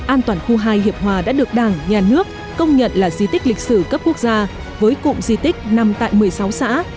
an toàn khu hai hiệp hòa đã được đảng nhà nước công nhận là di tích lịch sử cấp quốc gia với cụm di tích nằm tại một mươi sáu xã